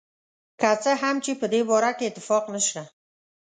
که څه هم چې په دې باره کې اتفاق نشته.